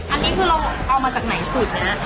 อันนี้คือเราเอามาจากไหนสุดฮะ